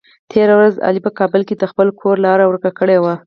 تېره ورځ علي په کابل کې د خپل کور لاره ور که کړې وه.